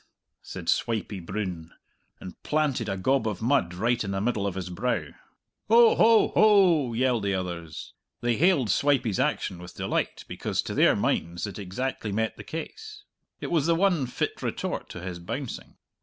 "Ph tt!" said Swipey Broon, and planted a gob of mud right in the middle of his brow. "Hoh! hoh! hoh!" yelled the others. They hailed Swipey's action with delight because, to their minds, it exactly met the case. It was the one fit retort to his bouncing.